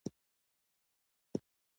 روژه روغتیا ته څه ګټه لري؟